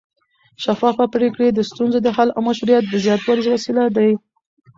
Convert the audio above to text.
شفافه پرېکړې د ستونزو د حل او مشروعیت د زیاتوالي وسیله دي